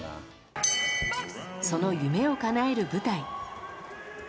その夢をかなえる舞台。